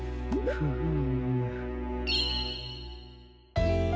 フーム。